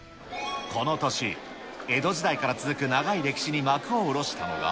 この年、江戸時代から続く長い歴史に幕を下ろしたのが。